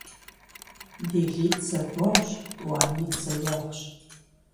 ДелитӀ зэгуэгъущ, тӀуанитӀ зэегъущ.